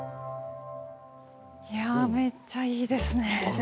めっちゃいいですね。